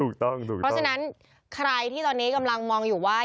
ถูกต้องเพราะฉะนั้นใครที่ตอนนี้กำลังมองอยู่ว่า